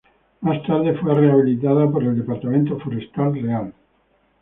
Más tarde, fue rehabilitada por el Departamento Forestal Real.